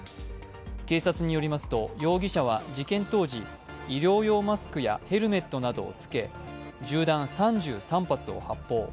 警察によりますと容疑者は事件当時、医療用マスクやヘルメットなどを着け銃弾３３発を発砲。